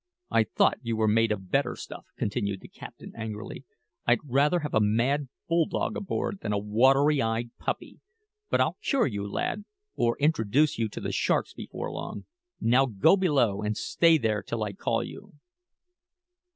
"I thought you were made of better stuff," continued the captain angrily. "I'd rather have a mad bulldog aboard than a water eyed puppy. But I'll cure you, lad, or introduce you to the sharks before long. Now go below, and stay there till I call you."